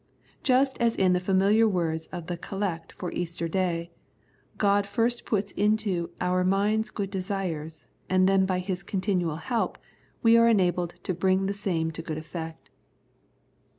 Just as in the familiar words of the Collect for Easter Day, God first puts into " our minds good desires," and then by His " continual help " we are enabled to " bring the same to good effect."